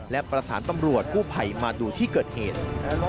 และภารกิจตำรวจผู้ไผ่มาดูที่เกิดเหตุ